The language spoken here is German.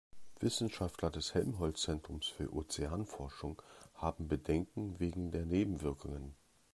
Wissenschaftler des Helmholtz-Zentrums für Ozeanforschung haben Bedenken wegen der Nebenwirkungen.